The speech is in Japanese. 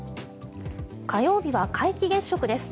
火曜日は皆既月食です。